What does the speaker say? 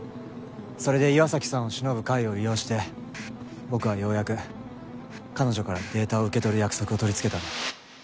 それで岩崎さんを偲ぶ会を利用して僕はようやく彼女からデータを受け取る約束を取りつけたんだ。